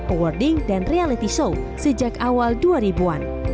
awarding dan reality show sejak awal dua ribu an